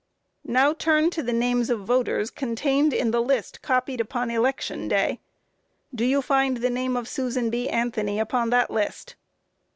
Q. Now turn to the names of voters contained in the list copied upon election day; do you find the name of Susan B. Anthony upon that list?